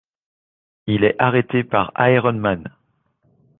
Il est arrêté par Iron Man.